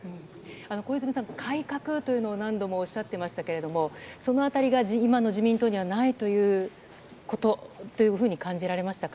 小泉さん、改革というのを何度もおっしゃってましたけれども、そのあたりが今の自民党にはないということというふうに感じられましたか？